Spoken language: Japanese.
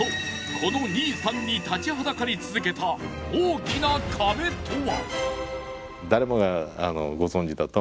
この２位さんに立ちはだかり続けた大きな壁とは。